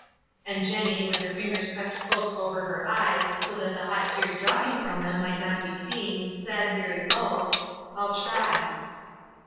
And Jenny, with her fingers pressed close over 120 WISE AND OTHERWISE. her eyes so that the hot tears dropping from them might not be seen, said, very low, — "I'll try."